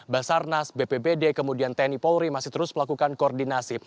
basarnas bpbd kemudian tni polri masih terus melakukan koordinasi